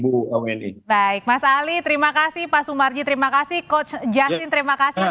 baik mas ali terima kasih pak sumarji terima kasih coach justin terima kasih